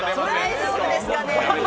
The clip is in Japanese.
大丈夫ですかね。